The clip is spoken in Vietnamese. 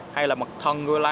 hay là mặt thân của lá